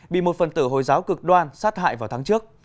bị một phần tử hồi giáo cực đoan sát hại vào tháng trước